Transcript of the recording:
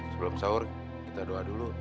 sebelum sahur kita doa dulu